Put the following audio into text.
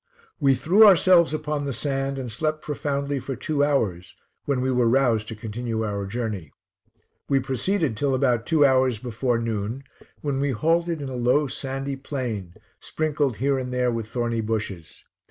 We threw ourselves upon the sand, and slept profoundly for two hours, when we were roused to continue our journey. We proceeded till about two hours before noon, when we halted in a low sandy plain, sprinkled here and there with thorny bushes.